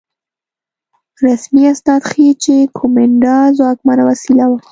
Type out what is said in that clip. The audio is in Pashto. رسمي اسناد ښيي چې کومېنډا ځواکمنه وسیله وه.